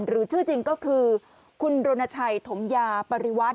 หรือชื่อจริงก็คือคุณรณชัยถมยาปริวัติ